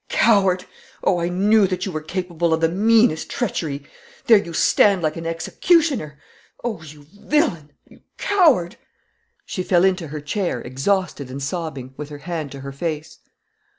Coward! Oh, I knew that you were capable of the meanest treachery! There you stand like an executioner! Oh, you villain, you coward!" She fell into her chair, exhausted and sobbing, with her hand to her face.